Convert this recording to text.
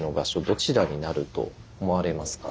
どちらになると思われますか？